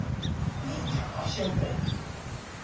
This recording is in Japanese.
忍者の足音。